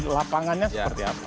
lapangannya seperti apa